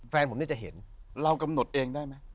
แฟนผมเนี่ยจะเห็นเรากำหนดเองได้ไหม